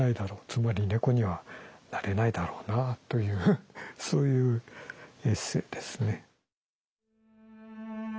つまり猫にはなれないだろうなというそういうエッセイですね。